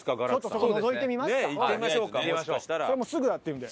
それもうすぐだって言うので。